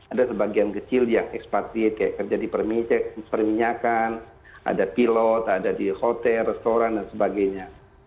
ada sebagian kecil yang ekspatrid kayak kerja di perminyakan ada pilot ada di hotel restoran dan sebagainya